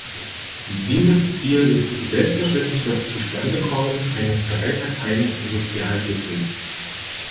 Dieses Ziel ist selbstverständlich das Zustandekommen eines Dreiparteien-Sozialgipfels.